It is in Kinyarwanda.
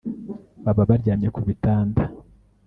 baba baryamye ku bitanda